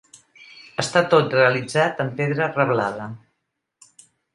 Està tot realitzat en pedra reblada.